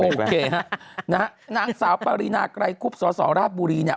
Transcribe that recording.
โอเคฮะนะฮะนางสาวปรินาไกรคุบสสราชบุรีเนี่ย